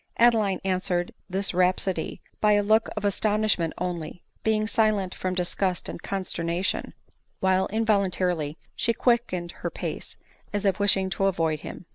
Adeline answered this rhapsody by a look of astonish ment only — being silent from disgust and consternation — while involuntarily she quickened her pace, as if wishing to avoid him.